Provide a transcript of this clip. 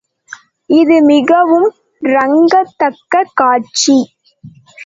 இது மிகவும் இரங்கத்தக்க காட்சி!